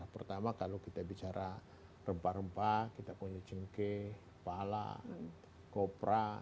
pertama kalau kita bicara rempah rempah kita punya cengkeh kepala kita punya kota kita punya kota yang berada di bawah